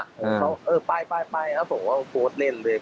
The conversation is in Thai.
เขาเออไปแล้วผมก็โพสต์เล่นเลย